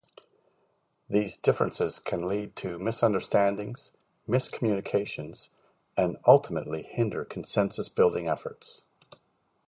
These differences can lead to misunderstandings, miscommunications, and ultimately hinder consensus-building efforts.